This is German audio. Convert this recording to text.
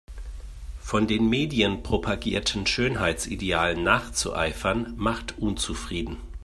Von den Medien propagierten Schönheitsidealen nachzueifern macht unzufrieden.